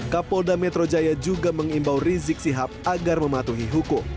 kapolda metro jaya juga mengimbau rizik sihab agar mematuhi hukum